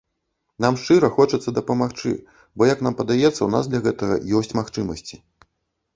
Нам шчыра хочацца дапамагчы, бо як нам падаецца, у нас для гэтага ёсць магчымасці.